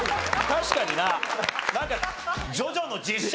確かにな。